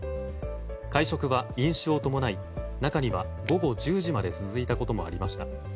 会食は飲酒を伴い中には午後１０時まで続いたこともありました。